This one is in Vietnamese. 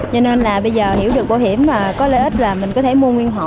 cho nên là bây giờ hiểu được bảo hiểm có lợi ích là mình có thể mua nguyên hộ